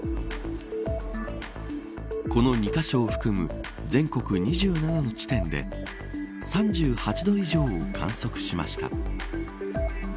この２カ所を含む全国２７の地点で３８度以上を観測しました。